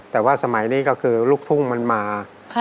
แต่ว่าสมัยนี้ก็คือลูกทุ่งมันมา